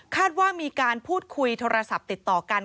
ว่ามีการพูดคุยโทรศัพท์ติดต่อกัน